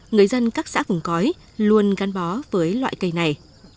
người dân các xã vùng cói luôn gắn bó với loại cây này